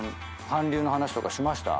韓流の話とかしました？